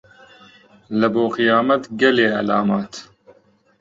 لەبۆ قیامەت گەلێ عەلامات